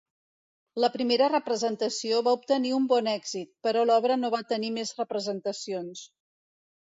La primera representació va obtenir un bon èxit, però l'obra no va tenir més representacions.